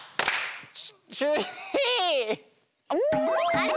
あれ？